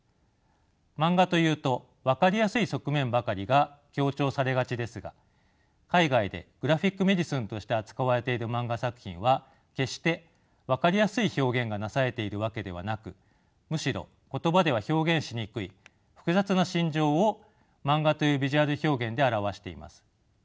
マンガというと分かりやすい側面ばかりが強調されがちですが海外でグラフィック・メディスンとして扱われているマンガ作品は決して分かりやすい表現がなされているわけではなくむしろ言葉では表現しにくい複雑な心情をマンガというビジュアル表現で表しています。